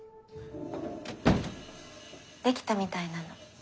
できたみたいなの。